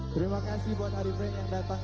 terima kasih buat hari frey yang datang